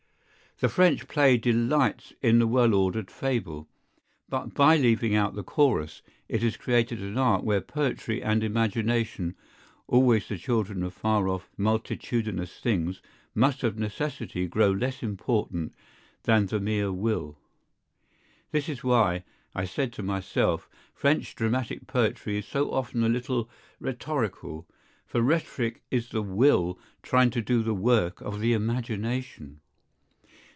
The French play delights in the well ordered fable, but by leaving out the chorus it has created an art where poetry and imagination, always the children of far off multitudinous things, must of necessity grow less important than the mere will. This[Pg 340] is why, I said to myself, French dramatic poetry is so often a little rhetorical, for rhetoric is the will trying to do the work of the imagination.